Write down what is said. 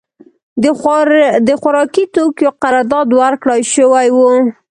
د خوارکي توکیو قرارداد ورکړای شوی و.